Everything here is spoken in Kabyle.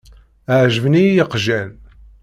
Ɛeǧben-iyi yeqjan.